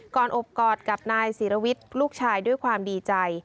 อบกอดกับนายศิรวิทย์ลูกชายด้วยความดีใจ